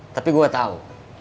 tapi gue tahu